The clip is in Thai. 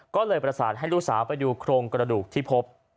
ก็เลยประสานให้ลูกสาวไปดูโครงกระดูกที่พบ